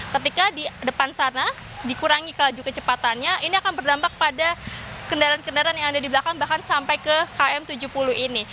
ketika di depan sana dikurangi kelaju kecepatannya ini akan berdampak pada kendaraan kendaraan yang ada di belakang bahkan sampai ke km tujuh puluh ini